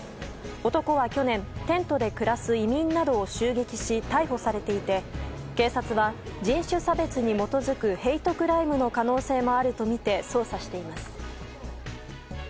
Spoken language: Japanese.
男は去年テントで暮らす移民などを襲撃し、逮捕されていて警察は人種差別に基づくヘイトクライムの可能性もあるとみて捜査しています。